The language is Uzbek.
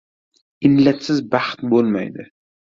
Illatsiz baxt bo‘lmaydi.